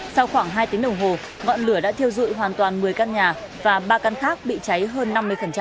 sau khoảng hai tiếng đồng hồ ngọn lửa đã thiêu dụi hoàn toàn một mươi căn nhà và ba căn khác bị cháy hơn năm mươi